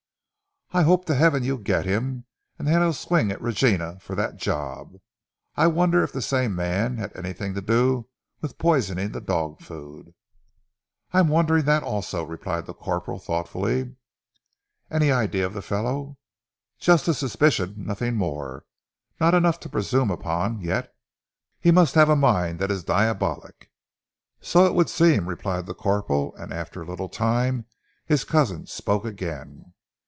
"I hope to heaven you'll get him, and that he'll swing at Regina for that job. I wonder if the same man had anything to do with poisoning the dog food." "I am wondering that also!" replied the corporal thoughtfully. "Any idea of the fellow?" "Just a suspicion, nothing more. Not enough to presume upon yet!" "He must have a mind that is diabolic." "So it would seem!" replied the corporal, and after a little time his cousin spoke again.